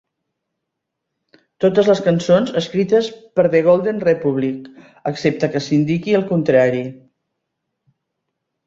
Totes les cançons escrites per The Golden Republic, excepte que s'indiqui el contrari.